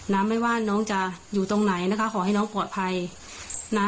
ไม่ว่าน้องจะอยู่ตรงไหนนะคะขอให้น้องปลอดภัยนะ